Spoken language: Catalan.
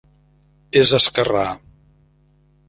És esquerrà.